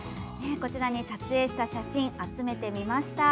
こちらに撮影した写真集めてみました。